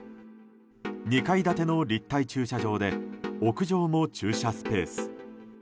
２階建ての立体駐車場で屋上も駐車スペース。